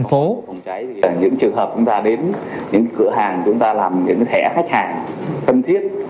phố những trường hợp chúng ta đến những cửa hàng chúng ta làm những thẻ khách hàng thân thiết